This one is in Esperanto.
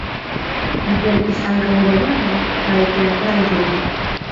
Li verkis ankaŭ romanojn kaj teatraĵojn.